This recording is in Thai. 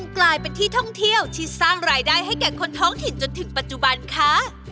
กลายเป็นที่ท่องเที่ยวที่สร้างรายได้ให้แก่คนท้องถิ่นจนถึงปัจจุบันค่ะ